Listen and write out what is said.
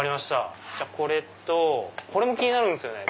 じゃあこれとこれも気になるんすよね。